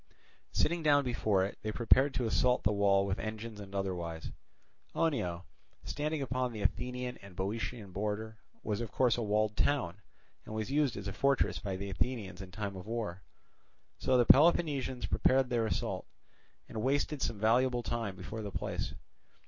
Sitting down before it, they prepared to assault the wall with engines and otherwise. Oenoe, standing upon the Athenian and Boeotian border, was of course a walled town, and was used as a fortress by the Athenians in time of war. So the Peloponnesians prepared for their assault, and wasted some valuable time before the place.